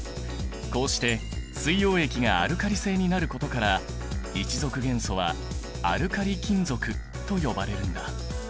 こうして水溶液がアルカリ性になることから１族元素はアルカリ金属と呼ばれるんだ。